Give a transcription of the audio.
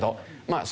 まあ